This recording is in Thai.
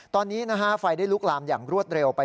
ตอนนี้ไฟได้ลุกลามอย่างรวดเร็วไป